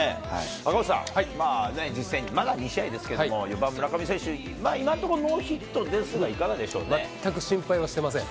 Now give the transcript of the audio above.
赤星さん、実戦、まだ２試合ですけども、４番村上選手、まあ今のところ、ノーヒットです全く心配はしてません。